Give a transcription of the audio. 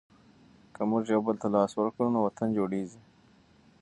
که موږ یو بل ته لاس ورکړو نو وطن جوړیږي.